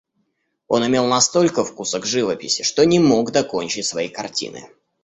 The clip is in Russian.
Он имел настолько вкуса к живописи, что не мог докончить своей картины.